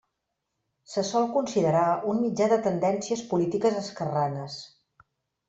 Se sol considerar un mitjà de tendències polítiques esquerranes.